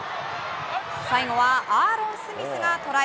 最後はアーロン・スミスがトライ。